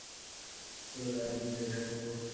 পুরো দায় আমি নিজের ঘাড়ে নেবো।